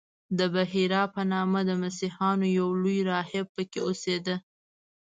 د بحیرا په نامه د مسیحیانو یو لوی راهب په کې اوسېده.